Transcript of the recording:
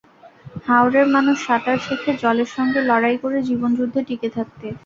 হাওরের মানুষ সাঁতার শেখে জলের সঙ্গে লড়াই করে জীবনযুদ্ধে টিকে থাকতে।